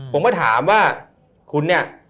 ผมก็ถามว่าคุณเนี่ย